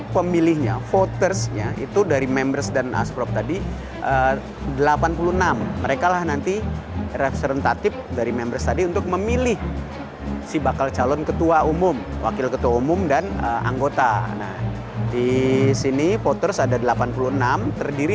pemilihan ketua pssi